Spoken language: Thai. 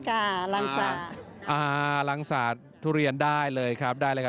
ก็ลังศาสตร์อ่าลังศาสตร์ทุเรียนได้เลยครับได้เลยค่ะ